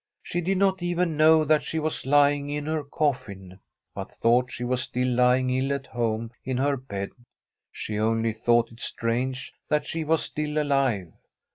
She did not even know that she was lying in her cofSn, but thought she was still lying ill at home in her bed. She only thought it strange that she was still alive.